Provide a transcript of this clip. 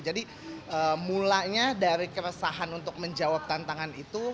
jadi mulanya dari keresahan untuk menjawab tantangan itu